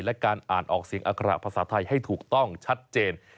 และการอ่านออกเสียงอัคระภาษาไทยให้ถูกต้องชัดเจน